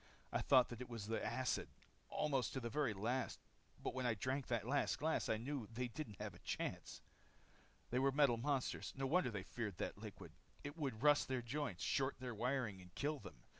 "I thought that it was the acid, almost to the very last. But when I drank that last glass, I knew they didn't have a chance. "They were metal monsters. No wonder they feared that liquid. It would rust their joints, short their wiring, and kill them.